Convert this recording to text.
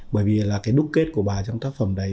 bởi vì là cái đúc kết của bà trong tác phẩm đấy